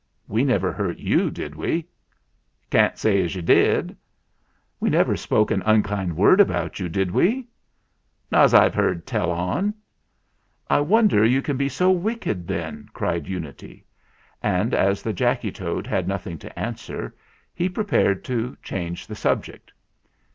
"We never hurt you, did we?" "Can't say as you did." 208 THE FLINT HEART "We never spoke an unkind word about you, did we? 1 ' "Not as I've heard tell on." "I wonder you can be so wicked, then," cried Unity; and as the Jacky Toad had nothing to answer, he prepared to change the subject.